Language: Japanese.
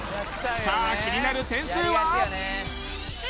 さあ気になる点数は？